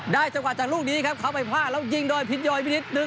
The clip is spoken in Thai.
ได้จังหวัดจากลูกนี้ครับเขาไปพลาดแล้วยิงโดยผิดยอยมิตร๑๑